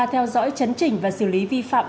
theo dõi chấn chỉnh và xử lý vi phạm